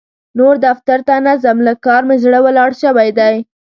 نور دفتر ته نه ځم؛ له کار مې زړه ولاړ شوی دی.